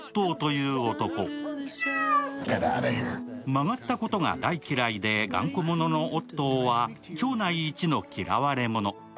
曲がったことが大嫌いで頑固者のオットーは町内一の嫌われ者。